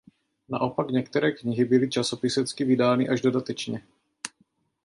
Naopak některé knihy byly časopisecky vydány až dodatečně.